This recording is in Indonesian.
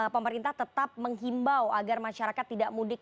pemerintah tetap menghimbau agar masyarakat tidak mudik